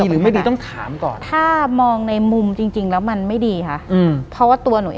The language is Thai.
หลังจากนั้นเราไม่ได้คุยกันนะคะเดินเข้าบ้านอืม